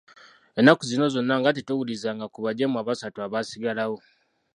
Ennaku zino zonna nga tetuwulizanga ku bajeemu abasatu abaasigalawo.